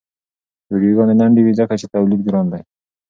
ویډیوګانې لنډې وي ځکه چې تولید ګران دی.